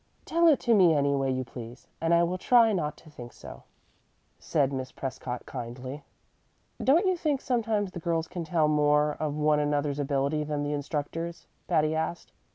"Tell it to me any way you please, and I will try not to think so," said Miss Prescott, kindly. "Don't you think sometimes the girls can tell more of one another's ability than the instructors?" Patty asked.